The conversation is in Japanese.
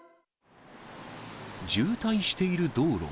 渋滞している道路。